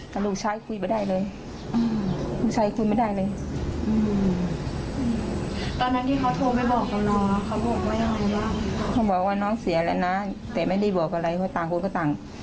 เขาบอกว่าน้องเสียแล้วนะแต่ไม่ได้บอกอะไรว่าต่างคนก็ต่าง